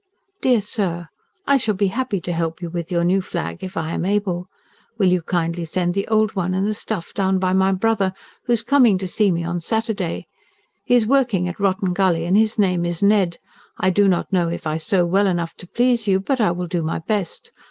DEAR SIR, I shall be happy to help you with your new flag if I am able. Will you kindly send the old one and the stuff down by my brother, who is coming to see me on Saturday. He is working at Rotten Gully, and his name is Ned. I do not know if I sew well enough to please you, but I will do my best.